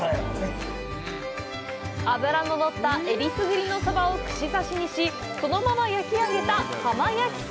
脂の乗った選りすぐりのサバを串刺しにし、そのまま焼き上げた浜焼き鯖。